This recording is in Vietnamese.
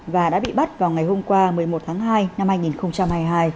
và đã bị bắt vào ngày hôm qua một mươi một tháng hai năm hai nghìn hai mươi hai